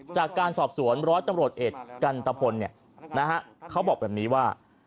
จากการสอบสวนร้อยตำรวจเอกกันตะพลเขาบอกแบบนี้ว่า